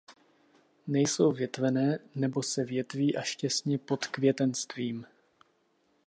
Nejsou větvené nebo se větví až těsně pod květenstvím.